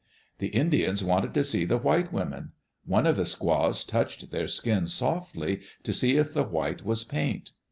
The Indians wanted to see the white women. One of the squaws touched their skin softly, to see if the white was paint.